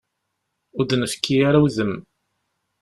Ur d-nefki ara udem.